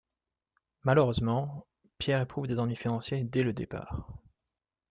Malheureusement, Pierre éprouve des ennuis financiers dès le départ.